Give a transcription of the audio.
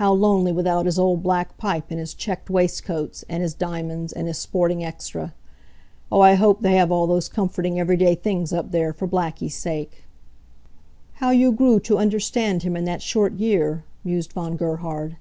How lonely, without his old black pipe, and his checked waistcoats, and his diamonds, and his sporting extra. Oh, I hope they have all those comforting, everyday things up there, for Blackie's sake." "How you grew to understand him in that short year," mused Von Gerhard.